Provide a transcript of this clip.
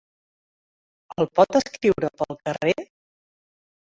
El pot escriure pel carrer?